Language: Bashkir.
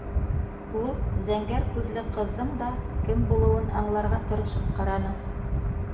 Ул зәңгәр күҙле ҡыҙҙың да кем булыуын аңларға тырышып ҡараны.